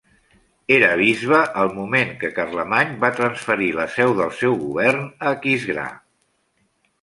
Era bisbe al moment quan Carlemany va transferir la seu del seu govern a Aquisgrà.